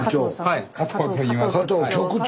加藤局長。